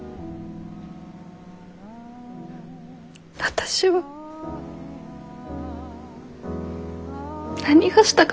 私は何がしたかったんだろう。